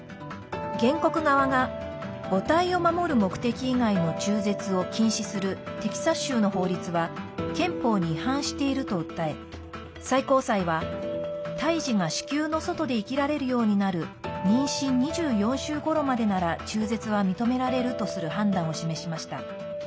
原告側が母体を守る目的以外の中絶を禁止するテキサス州の法律は憲法に違反していると訴え最高裁は胎児が子宮の外で生きられるようになる妊娠２４週ごろまでなら中絶は認められるとする判断を示しました。